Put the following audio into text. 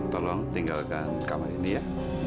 tolong tinggalkan kamar ini ya